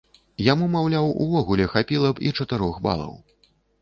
Яму, маўляў, увогуле хапіла б і чатырох балаў.